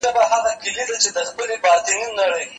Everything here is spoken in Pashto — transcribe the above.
اوس د شپېتو بړیڅو توري هندوستان ته نه ځي